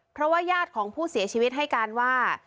เพราะว่าญาติของผู้เสียชีวิตให้การว่า